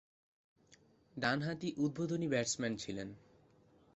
ডানহাতি উদ্বোধনী ব্যাটসম্যান ছিলেন।